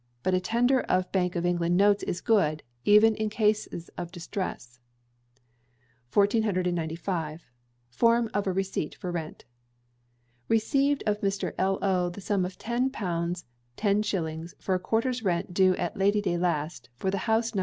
But a tender of Bank of England notes is good, even in cases of distress. 1495. Form of a Receipt for Rent. Received of Mr. L.O. the sum of ten pounds ten shillings, for a quarter's rent due at Lady day last, for the house, No.